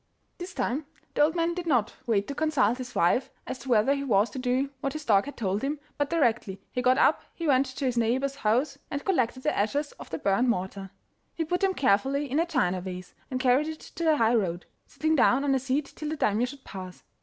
This time the old man did not wait to consult his wife as to whether he was to do what his dog had told him, but directly he got up he went to his neighbour's house and collected the ashes of the burnt mortar. He put them carefully in a china vase, and carried it to the high road, Sitting down on a seat till the Daimio should pass.